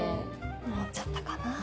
思っちゃったかな。